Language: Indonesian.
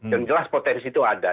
yang jelas potensi itu ada